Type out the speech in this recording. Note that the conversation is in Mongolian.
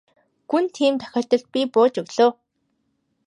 Гүн тийм тохиолдолд би бууж өглөө.